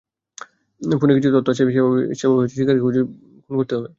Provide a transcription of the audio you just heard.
ফোনে কিছু তথ্য আসে, সেভাবেই শিকারকে খুঁজে সময়-সুযোগ বুঝে খুন করতে হবে।